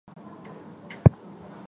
母戴氏。